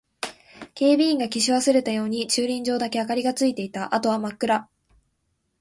警備員が消し忘れたように駐輪場だけ明かりがついていた。あとは真っ暗。